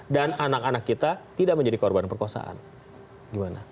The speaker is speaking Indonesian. dan anak anak kita tidak menjadi korban perkosaan